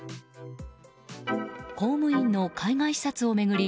公務員の海外視察を巡り